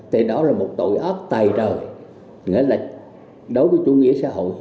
thì đó là một tội ác tài trời nghĩa là đối với chủ nghĩa xã hội